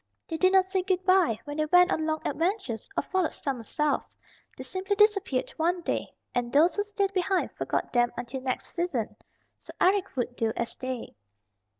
They did not say good by when they went on long adventures, or followed summer south. They simply disappeared one day, and those who stayed behind forgot them until next season. So Eric would do as they.